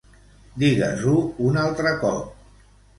Digues-ho un altre cop.